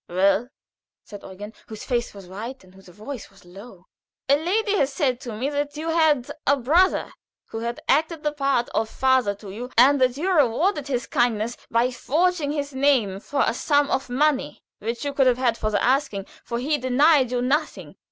"Well?" said Eugen, whose face was white, and whose voice was low. "A lady has said to me that you had a brother who had acted the part of father to you, and that you rewarded his kindness by forging his name for a sum of money which you could have had for the asking, for he denied you nothing.